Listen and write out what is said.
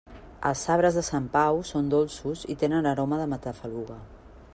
Els sabres de Sant Pau són dolços i tenen aroma de matafaluga.